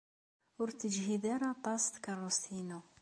Ur tejhid ara aṭas tkeṛṛust-inu.